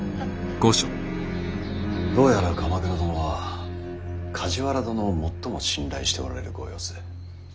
どうやら鎌倉殿は梶原殿を最も信頼しておられるご様子。